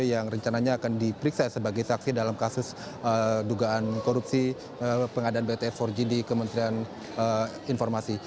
yang rencananya akan diperiksa sebagai saksi dalam kasus dugaan korupsi pengadaan bts empat g di kementerian informasi